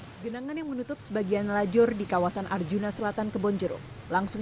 hai genangan yang menutup sebagian lajur di kawasan arjuna selatan ke bonjero langsung